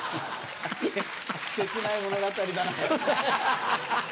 切ない物語だな。